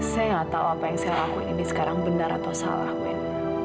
saya nggak tahu apa yang saya lakukan ini sekarang benar atau salah men